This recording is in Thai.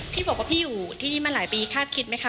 พี่บอกว่าพี่อยู่ที่นี่มาหลายปีคาดคิดไหมคะ